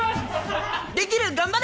できる、頑張れ！